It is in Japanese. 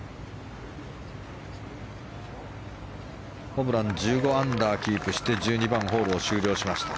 ホブラン１５アンダーをキープして１２番ホールを終了しました。